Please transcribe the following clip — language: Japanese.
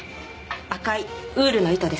赤いウールの糸です。